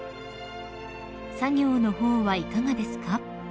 ［「作業の方はいかがですか？」